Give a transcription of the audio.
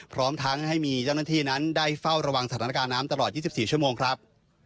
พร้อมทั้งให้มีเจ้าหน้าที่นั้นได้เฝ้าระวังสถานการณ์น้ำตลอด๒๔ชั่วโมงครับ